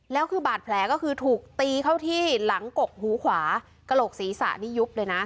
แล้วคือบาดแผลก็คือถูกตีเข้าที่หลังกกหูขวากระโหลกศีรษะนี่ยุบเลยนะ